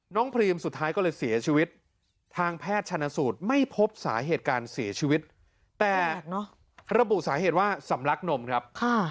พรีมสุดท้ายก็เลยเสียชีวิตทางแพทย์ชนสูตรไม่พบสาเหตุการเสียชีวิตแต่ระบุสาเหตุว่าสำลักนมครับ